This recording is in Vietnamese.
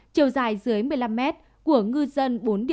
chiều dài dưới một mươi năm mét của ngư dân bốn địa